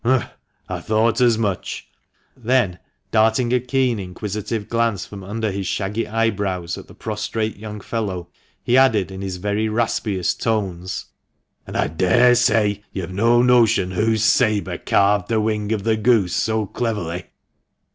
" Humph ! I thought as much !" Then darting a keen inquisitive glance from under his shaggy eyebrows at the prostrate young fellow, he added, in his very raspiest tones, "And I daresay you've no notion whose sabre carved the wing of the goose so cleverly